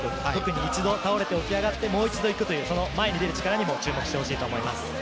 一度倒れて起き上がって、もう一度行くという、前に出る力にも注目してほしいと思います。